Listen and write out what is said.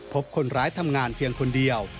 พบคนร้ายทำงานเพียงคนเดียว